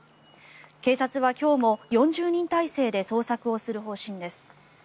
警察は今日も４０人態勢で捜索をする方針です。